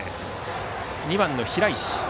２番の平石。